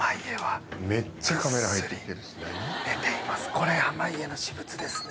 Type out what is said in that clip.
これ濱家の私物ですね